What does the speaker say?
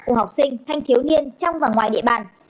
của học sinh thanh thiếu niên trong và ngoài địa bàn